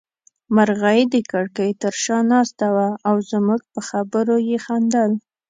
مرغۍ د کړکۍ تر شا ناسته وه او زموږ په خبرو يې خندل.